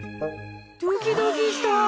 ドキドキした！